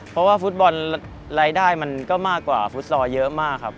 เพราะว่าฟุตบอลรายได้มันก็มากกว่าฟุตซอลเยอะมากครับ